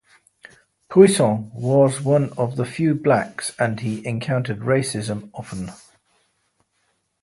Pouissant was one of the few blacks and he encountered racism often.